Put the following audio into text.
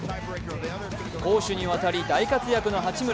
攻守にわたり大活躍の八村。